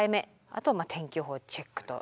あとは天気予報チェックと。